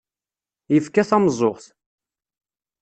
Yefka tameẓẓuɣt.